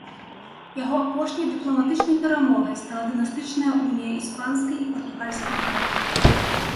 Яго апошняй дыпламатычнай перамогай стала дынастычная унія іспанскай і партугальскай карон.